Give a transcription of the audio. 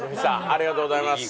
ありがとうございます。